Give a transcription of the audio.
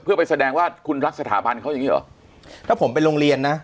เพื่อไปแสดงว่าคุณรักสถาบันเขาอย่างงี้เหรอถ้าผมไปโรงเรียนนะ